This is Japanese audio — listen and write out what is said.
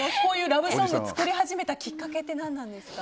ラブソングを作り始めたきっかけって何なんですか？